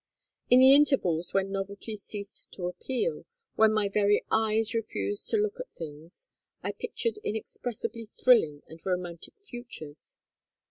In the intervals when novelty ceased to appeal, when my very eyes refused to look at things, I pictured inexpressibly thrilling and romantic futures.